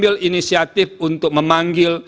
dan mengambil inisiatif untuk memanggil